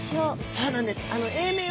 そうなんです。